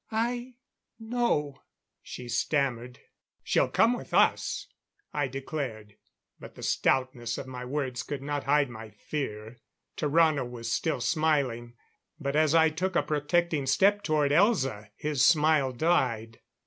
"I no," she stammered. "She'll come with us," I declared; but the stoutness of my words could not hide my fear. Tarrano was still smiling; but as I took a protecting step toward Elza, his smile died.